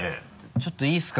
ちょっといいですか？